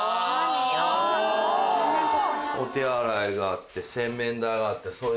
お手洗いがあって洗面台があってそれ。